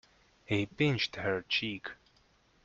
He pinched her cheek.